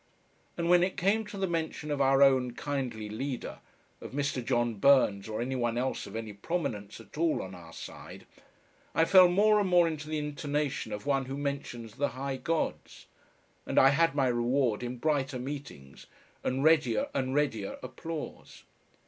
And when it came to the mention of our own kindly leader, of Mr. John Burns or any one else of any prominence at all on our side I fell more and more into the intonation of one who mentions the high gods. And I had my reward in brighter meetings and readier and readier applause.